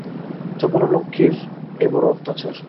চপলা লক্ষ্মীর এ বড় অত্যাচার!